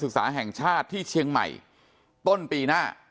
คุณยายบอกว่ารู้สึกเหมือนใครมายืนอยู่ข้างหลัง